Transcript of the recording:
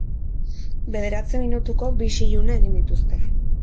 Bederatzi minutuko bi isilune egin dituzte.